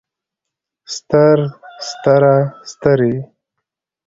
ستر ستره سترې